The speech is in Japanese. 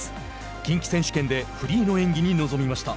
近畿選手権でフリーの演技に臨みました。